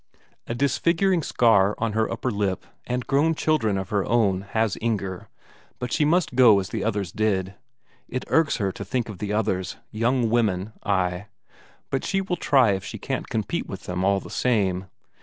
A disfiguring scar on her upper lip, and grown children of her own, has Inger, but she must go as the others did. It irks her to think of the others, young women, ay ... but she will try if she can't compete with them all the same.